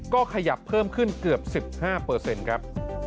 ก็ขยับเพิ่มขึ้นเกือบ๑๕เปอร์เซ็นต์ครับ